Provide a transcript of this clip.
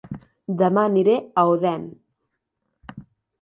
Dema aniré a Odèn